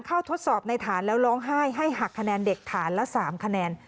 ทดสอบในฐานแล้วร้องไห้ให้หักคะแนนเด็กฐานละ๓คะแนน